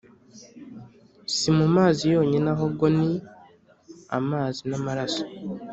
si mu mazi yonyine ahubwo ni amazi n’amaraso